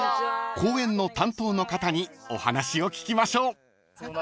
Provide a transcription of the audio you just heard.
［公園の担当の方にお話を聞きましょう］